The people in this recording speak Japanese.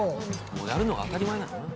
もうやるのが当たり前なんだな。